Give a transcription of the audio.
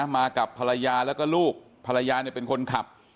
มากับภรรยาแล้วก็ลูกภรรยาเป็นคนขับ